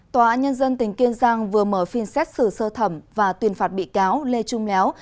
tòa án nhân dân tỉnh kiên giang vừa mở phiên xét xử sơ thẩm và tuyên phạt bị cáo lê trung léo